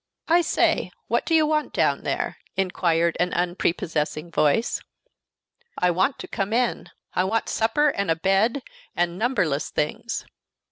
"I say, what do you want, down there?" inquired an unprepossessing voice. "I want to come in; I want a supper, and a bed, and numberless things."